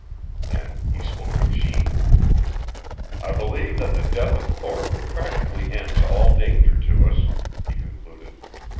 Then he spoke of Jeanne. "I believe that the death of Thorpe practically ends all danger to us," he concluded.